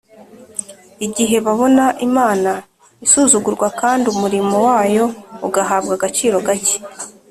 igihe babona imana isuzugurwa kandi umurimo wayo ugahabwa agaciro gake,